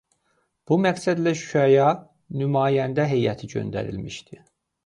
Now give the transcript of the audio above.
Bu məqsədlə Şuşaya nümayəndə heyəti göndərilmişdi.